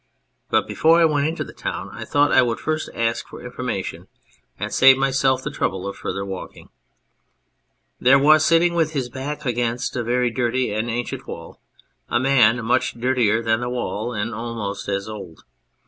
But before I went into the town I thought I would first ask for information, and save myself the trouble of further walking. There was sitting with his back against a very dirty and ancient wall a man much dirtier than the wall and almost as old.